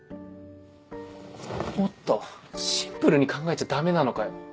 もっとシンプルに考えちゃダメなのかよ。